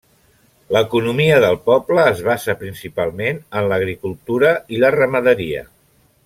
L'economia del poble es basa principalment en l'agricultura i la ramaderia.